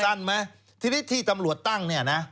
สั้นไหมทีนี้ที่ตำรวจตั้งเนี่ยนะ